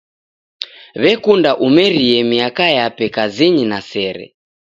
W'ekunda umerie miaka yape kazinyi na sere.